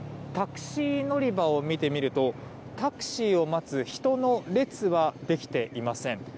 タクシー乗り場を見てみるとタクシーを待つ人の列はできていません。